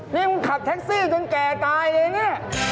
นี่มึงขับแท็กซี่จนแก่ตายเลยเนี่ย